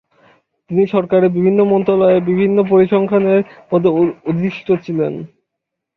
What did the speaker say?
তিনি সরকারের বিভিন্ন মন্ত্রণালয়ে বিভিন্ন পরিসংখ্যানের পদে অধিষ্ঠিত ছিলেন।